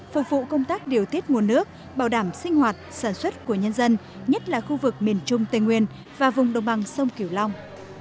phục vụ công tác điều tiết nguồn nước bảo đảm sinh hoạt sản xuất của nhân dân nhất là khu vực miền trung tây nguyên và vùng đồng bằng sông kiểu long